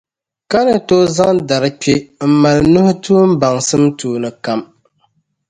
ka ni tooi zaŋ dari kpe m-mali nuhi tuumbaŋsim tuuni kam.